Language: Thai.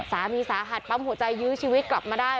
สามีสาหัสปั๊มหัวใจยื้อชีวิตกลับมาได้